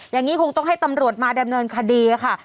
อย่างนี้คงต้องให้ตำรวจมาดำเนินคดีค่ะ